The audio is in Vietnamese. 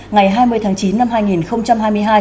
ngày hai mươi tháng chín năm hai nghìn hai mươi hai